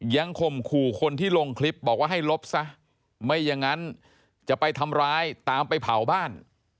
ข่มขู่คนที่ลงคลิปบอกว่าให้ลบซะไม่อย่างนั้นจะไปทำร้ายตามไปเผาบ้าน